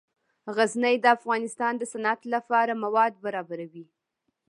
غزني د افغانستان د صنعت لپاره مواد برابروي.